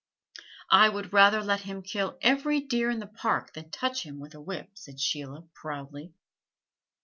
"I would rather let him kill every deer in the Park than touch him with a whip," said Sheila proudly.